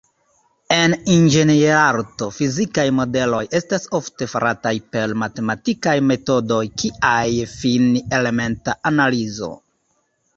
En inĝenierarto, fizikaj modeloj estas ofte farataj per matematikaj metodoj kiaj fini-elementa analizo.